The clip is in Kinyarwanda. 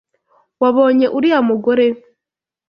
Wabonye uriya mugore?